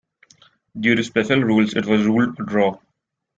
Due to the special rules, it was ruled a draw.